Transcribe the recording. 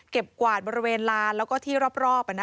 กวาดบริเวณลานแล้วก็ที่รอบ